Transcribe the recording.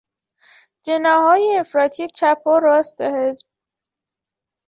جناحهای افراطی چپ و راست حزب